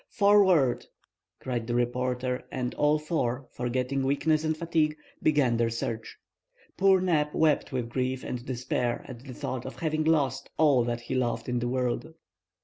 "Forward!" cried the reporter, and all four, forgetting weakness and fatigue, began their search. Poor Neb wept with grief and despair at the thought of having lost all that he loved in the world.